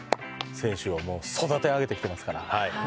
選手を育て上げてきてますから。